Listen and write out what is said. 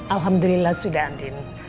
alhamdulillah sudah andin